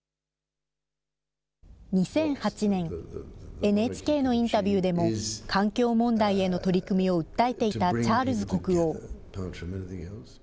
２００８年、ＮＨＫのインタビューでも、環境問題への取り組みを訴えていたチャールズ国王。